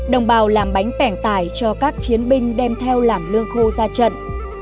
đồng bào làm bánh bẻng tải cho các chiến binh đem theo làm lương khô ra trận